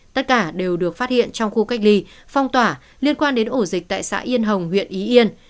tất cả đều được phát hiện trong khu cách ly phong tỏa liên quan đến ổ dịch tại xã yên hồng huyện ý yên